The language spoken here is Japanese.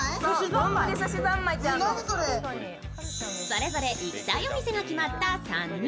それぞれ行きたいお店が決まった３人。